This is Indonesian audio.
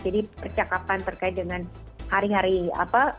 jadi percakapan terkait dengan hari hari apa